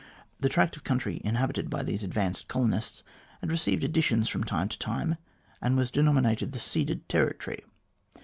The tract of country in habited by these advanced colonists had received additions from time to time, and was denominated the ceded territory.